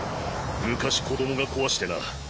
昔子供が壊してな。